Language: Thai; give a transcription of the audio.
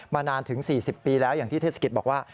นานถึง๔๐ปีแล้วอย่างที่เทศกิจบอกว่า